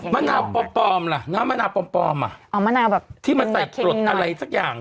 มะนาวปลอมปลอมล่ะน้ำมะนาวปลอมปลอมอ่ะอ๋อมะนาวแบบที่มาใส่กรดอะไรสักอย่าง